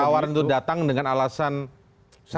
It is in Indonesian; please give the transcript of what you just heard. nggak ada ketika tawaran itu datang dengan alasan kepentingan bangsa